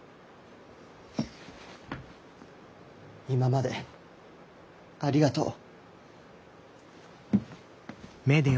今までありがとう。